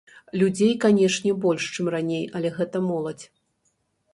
Людзей, канечне, больш, чым раней, але гэта моладзь.